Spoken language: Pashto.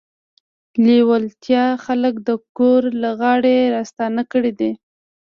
لېوالتیا خلک د ګور له غاړې راستانه کړي دي.